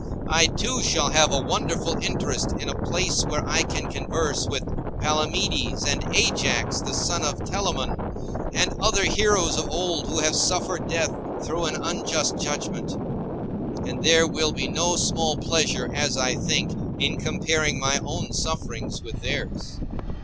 I, too, shall have a wonderful interest in a place where I can converse with Palamedes, and Ajax the son of Telamon, and other heroes of old, who have suffered death through an unjust judgment; and there will be no small pleasure, as I think, in comparing my own sufferings with theirs.